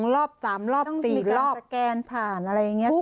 รอบ๓รอบ๔รอบสแกนผ่านอะไรอย่างนี้